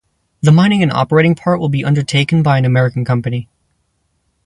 The mining and operating part will be undertaken by an American company.